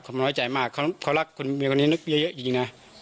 ครับน้อยใจมากเขารักเมียคนนี้เยอะจริงนะ